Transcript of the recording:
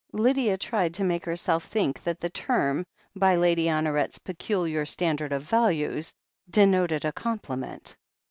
Lydia tried to make herself think that the term, by Lady Honoret's peculiar standard of values, denoted a compliment.